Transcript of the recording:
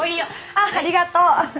あありがとう。